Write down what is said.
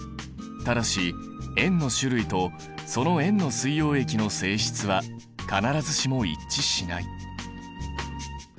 ただし塩の種類とその塩の水溶液の性質は必ずしも一致しない。